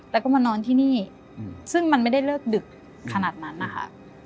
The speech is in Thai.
แล้วก็มานอนที่นี่ซึ่งมันไม่ได้เลิกดึกขนาดนั้นนะคะ